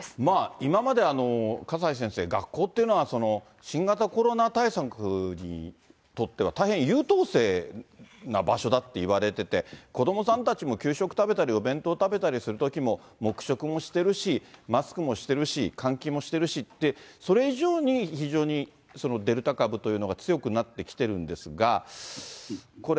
今まで、笠井先生、学校っていうのは、新型コロナ対策にとっては大変優等生な場所だっていわれてて、子どもさんたちも給食食べたり、お弁当食べたりするときも、黙食もしてるし、マスクもしてるし、換気もしてるし、で、それ以上に、非常にデルタ株っていうのが強くなってきてるんですが。